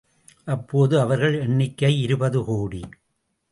அப்போது அவர்கள் எண்ணிக்கை இருபது கோடி.